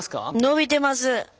伸びてます。